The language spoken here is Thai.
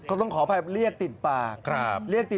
เออนะครับ